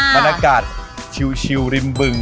บรรยากาศชิวริมบึง